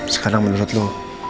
sekarang menurut lo